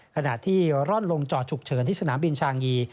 ขณะที่ร่อนลงจอดฉุกเฉินที่สนามบินชางี